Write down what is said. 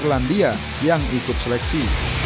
irlandia yang ikut seleksi